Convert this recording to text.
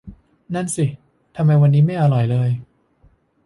นั่นสิ ทำไมวันนี้ไม่อร่อยเลย